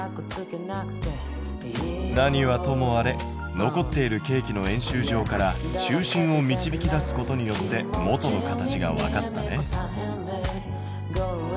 何はともあれ残っているケーキの円周上から中心を導き出すことによって元の形がわかったね。